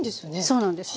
そうなんです。